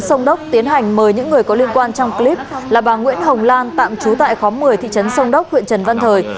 sông đốc tiến hành mời những người có liên quan trong clip là bà nguyễn hồng lan tạm trú tại khóm một mươi thị trấn sông đốc huyện trần văn thời